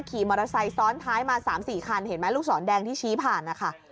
ขี่มอเตอร์ไซค์ซ้อนท้ายมา๓๔คันเห็นไหมลูกศรแดงที่ชี้ผ่านนะคะ